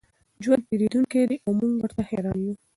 ژوند تېرېدونکی دی او موږ ورته حېران یو.